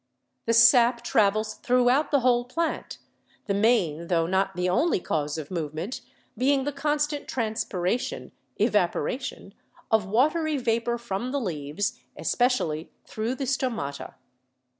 The sap travels throughout the whole plant, the main tho not the only cause of movement being the constant transpira tion (evaporation) of watery vapor from the leaves, espe cially through the stomata.